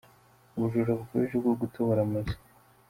Ubujura bukabije bwo gutobora amazu